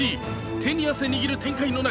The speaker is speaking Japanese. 手に汗握る展開の中